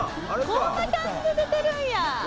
こんな感じで出てるんや。